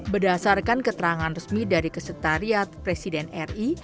berdasarkan keterangan resmi dari kesetariat presiden ri